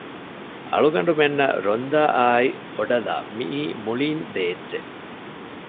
އަޅުގަނޑުމެންނަށް ރޮންދާ އާ އޮޑަލާ މިއީ މުޅީން ދޭއްޗެއް